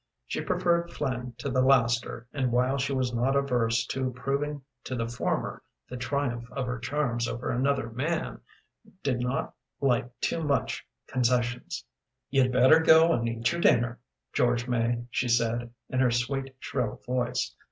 She preferred Flynn to the laster, and while she was not averse to proving to the former the triumph of her charms over another man, did not like too much concessions. "You'd better go and eat your dinner, George May," she said, in her sweet, shrill voice.